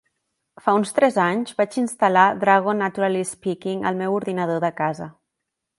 Fa uns tres anys, vaig instal·lar Dragon Naturally Speaking al meu ordinador de casa.